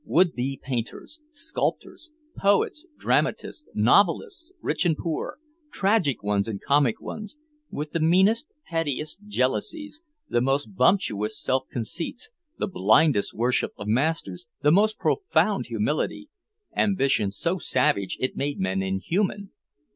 Would be painters, sculptors, poets, dramatists, novelists, rich and poor, tragic ones and comic ones, with the meanest pettiest jealousies, the most bumptious self conceits, the blindest worship of masters, the most profound humility, ambition so savage it made men inhuman.